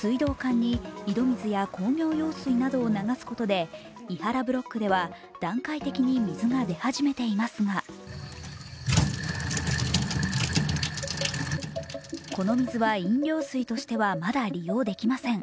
水道管に井戸水や工業用水などを流すことで庵原ブロックでは段階的に水が出始めていますがこの水は飲料水としてはまだ利用できません。